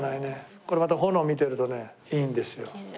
これまた炎見てるとねいいんですよ。